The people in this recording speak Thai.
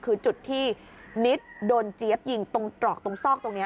คือจุดที่นิดโดนเจี๊ยบยิงตรงตรอกตรงซอกตรงนี้